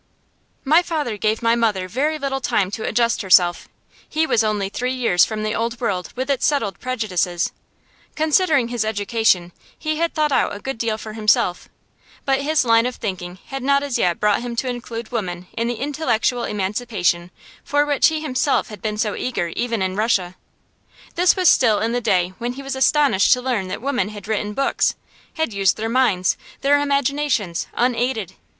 My father gave my mother very little time to adjust herself. He was only three years from the Old World with its settled prejudices. Considering his education, he had thought out a good deal for himself, but his line of thinking had not as yet brought him to include woman in the intellectual emancipation for which he himself had been so eager even in Russia. This was still in the day when he was astonished to learn that women had written books had used their minds, their imaginations, unaided.